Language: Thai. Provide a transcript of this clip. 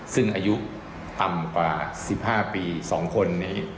ซึ่งอายุต่ำกว่า๑๕ปี๒คนนี้